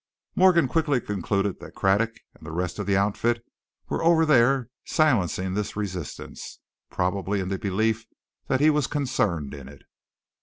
Morgan quickly concluded that Craddock and the rest of the outfit were over there silencing this resistance, probably in the belief that he was concerned in it.